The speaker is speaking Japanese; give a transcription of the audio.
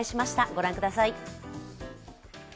ご覧ください。